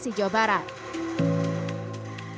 serta menerapkan gaya hidup sehat